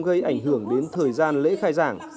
gây ảnh hưởng đến thời gian lễ khai giảng